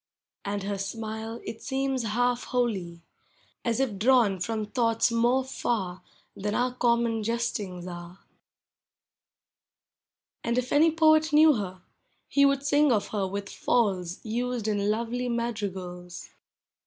And her smile, it seems half holy. As if drawn from thoughts more far Than our common jestings are. Digitized by Google I'OEMH OF HOME. And if any poet knew her, lie would sing of her with falls Used in lovely madrigals.